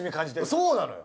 そうなのよ。